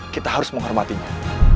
kita harus menghormatinya